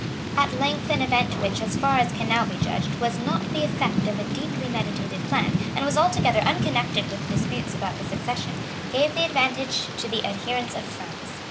At length an event which, as far as can now be judged, was not the effect of a deeply meditated plan, and was altogether unconnected with the disputes about the succession, gave the advantage to the adherents of France.